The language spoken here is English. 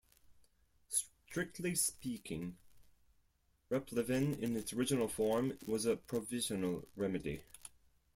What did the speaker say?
Strictly speaking, replevin in its original form was a provisional remedy.